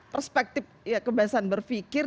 perspektif kebebasan berpikir